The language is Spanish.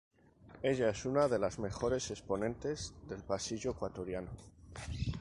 Ella es una de las mejores exponentes del pasillo ecuatoriano